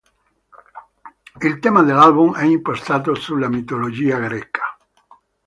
Il tema dell'album è impostato sulla mitologia greca.